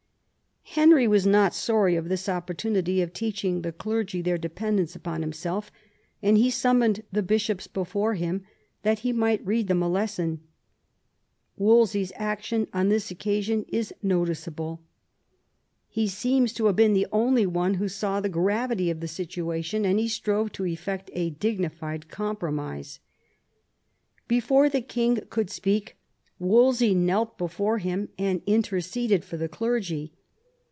Henry was not sorry of an opportunity of teach ing the clergy their dependence upon himself, and he summoned the bishops before him that he might read them a lesson. Wolsey's action on this occasion is noticeable. He seems to have been the only one who saw the gravity of the situation, and he strove to effect a dignified compromise. Before the king could speak Wolsey knelt before him and interceded for the clergy.